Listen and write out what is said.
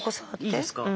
いいですか？